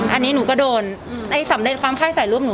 อันนี้หนูก็โดนสำเร็จความไข้ใส่รูปหนู